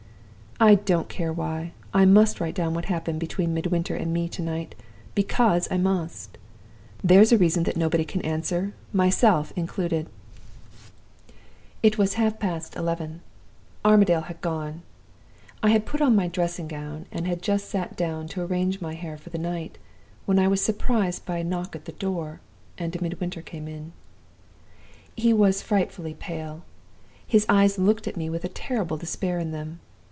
"I don't care why! I must write down what happened between Midwinter and me to night, because I must. There's a reason that nobody can answer myself included." "It was half past eleven. Armadale had gone. I had put on my dressing gown, and had just sat down to arrange my hair for the night, when I was surprised by a knock at the door, and Midwinter came in. "He was frightfully pale. His eyes looked at me with a terrible despair in them.